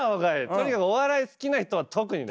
とにかくお笑い好きな人は特にね。